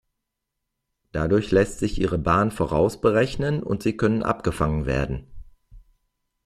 Dadurch lässt sich ihre Bahn vorausberechnen und sie können abgefangen werden.